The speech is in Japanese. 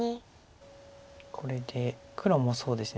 これで黒もそうですね。